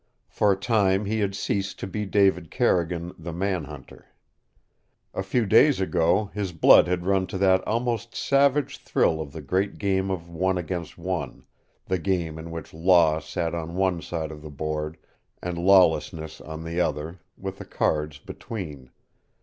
For a time he had ceased to be David Carrigan, the man hunter. A few days ago his blood had run to that almost savage thrill of the great game of one against one, the game in which Law sat on one side of the board and Lawlessness on the other, with the cards between.